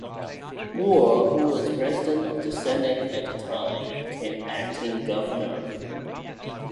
Moore, who was president of the Senate at the time, became acting governor.